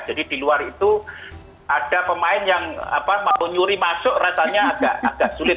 jadi di luar itu ada pemain yang mau nyuri masuk rasanya agak sulit